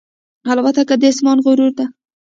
الوتکه د آسمان غرور ده.